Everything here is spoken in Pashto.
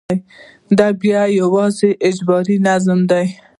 دا بیا یوازې اجباري نظم دی.